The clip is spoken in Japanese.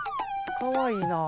かわいいなあ。